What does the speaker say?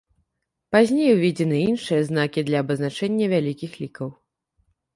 Пазней уведзены іншыя знакі для абазначэння вялікіх лікаў.